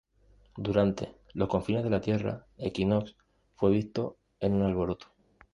Durante los "Confines de la Tierra", Equinox fue visto en un alboroto.